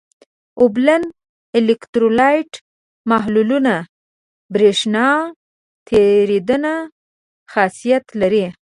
اوبلن الکترولیت محلولونه برېښنا تیریدنه خاصیت لري.